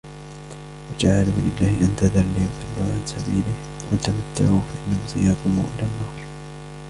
وجعلوا لله أندادا ليضلوا عن سبيله قل تمتعوا فإن مصيركم إلى النار